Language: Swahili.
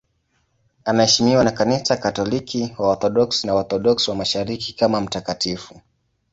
Anaheshimiwa na Kanisa Katoliki, Waorthodoksi na Waorthodoksi wa Mashariki kama mtakatifu.